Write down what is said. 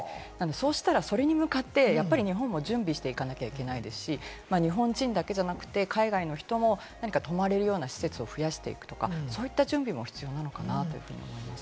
そうしたら、それに向かって、やっぱり日本も準備していかなきゃいけないですし、日本人だけじゃなく海外の人も何か泊まれるような施設を増やしていくとか、そういった準備も必要なのかなと思います。